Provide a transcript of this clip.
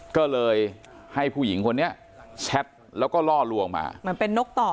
ก็เลยให้ผู้หญิงคนนี้แชทแล้วก็ล่อลวงมาเหมือนเป็นนกต่อ